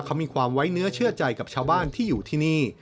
เขามีความไว้เนื้อเชื่อใจกับชาวบ้านที่อยู่ที่นี่